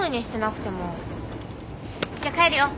じゃあ帰るよ。